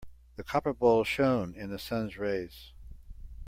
The copper bowl shone in the sun's rays.